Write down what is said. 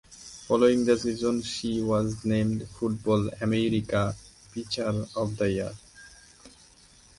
Following the season she was named Softball America Pitcher of the Year.